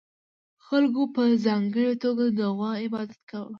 خلکو په ځانګړې توګه د غوا عبادت کاوه